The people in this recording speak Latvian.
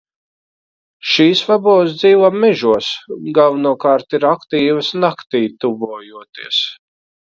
Šīs vaboles dzīvo mežos, galvenokārt ir aktīvas, naktij tuvojoties.